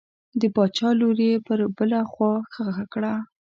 د باچا لور یې پر بله خوا ښخه کړه.